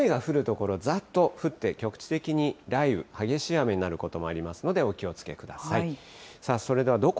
ただ、雨が降る所、ざっと降って局地的に雷雨、激しい雨になることもありますので、お気をつけください。